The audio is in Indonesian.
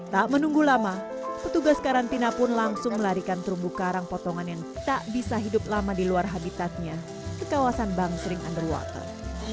tak menunggu lama petugas karantina pun langsung melarikan terumbu karang potongan yang tak bisa hidup lama di luar habitatnya ke kawasan bangsering underwater